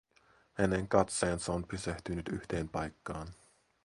Hänen katseensa on pysähtynyt yhteen paikkaan.